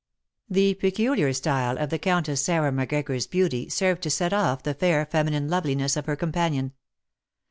The peculiar style of the Countess Sarah Macgregor's beauty served to set off the fair feminine loveliness of her companion.